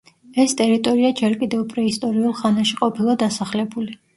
ეს ტერიტორია ჯერ კიდევ პრეისტორიულ ხანაში ყოფილა დასახლებული.